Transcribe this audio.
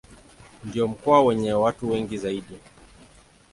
Ndio mkoa wenye watu wengi zaidi.